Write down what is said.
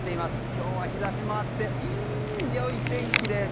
今日は日差しもあって良い天気です。